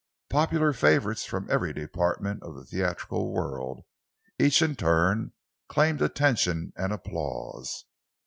Popular favourites from every department of the theatrical world, each in turn claimed attention and applause.